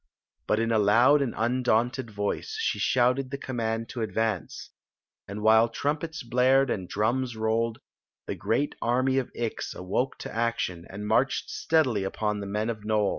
But in a loud and un ^wmted vmce she shouted the command to advance ; and while trumpets blared and drums rolled, the great army of Ix awoke to action and ^^cked steadily upon the men of N«Je.